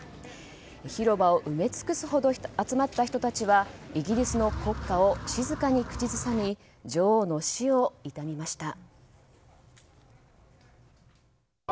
広場を埋め尽くすほど集まった人たちはイギリスの国家を静かに口ずさみ女王の死を悼みました。